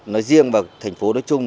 nói riêng và thành phố nói chung